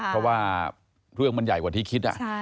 เพราะว่าเรื่องมันใหญ่กว่าที่คิด